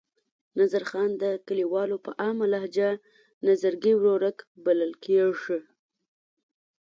نظرخان د کلیوالو په عامه لهجه نظرګي ورورک بلل کېږي.